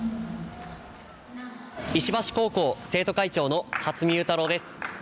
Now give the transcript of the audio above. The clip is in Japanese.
石橋高校生徒会長の初見優太郎です。